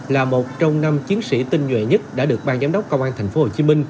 là một trong năm chiến sĩ tinh nhuệ nhất đã được ban giám đốc công an tp hcm